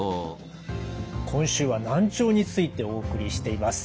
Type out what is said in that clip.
今週は難聴についてお送りしています。